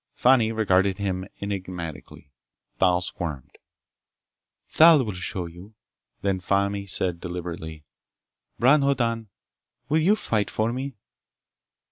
Fani regarded him enigmatically. Thal squirmed. "Thal will show you." Then Fani said deliberately, "Bron Hoddan, will you fight for me?"